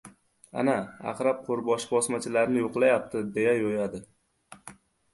Ana, Aqrab qo‘rboshi bosmachilarni yo‘qlayapti, deya yo‘yadi.